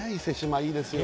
いいですよね